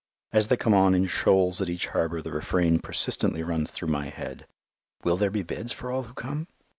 As they come on in shoals at each harbour the refrain persistently runs through my head, "Will there be beds for all who come?"